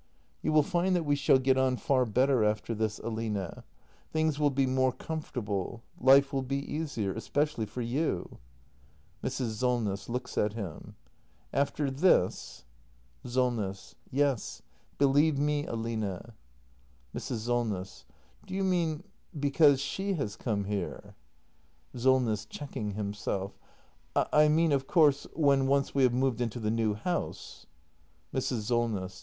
] You will find that we shall get on far better after this, Aline. Things will be more comfortable. Life will be easier — especially for you. Mrs. Solness. [Looks at him.] After this ? Solness. Yes, believe me, Aline act ii] THE MASTER BUILDER 323 Mrs. Solness. Do you mean — because she has come here? Solness. [Checking himself.] I mean, of course — when once we have moved into the new house. Mrs. Solness.